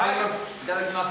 いただきます。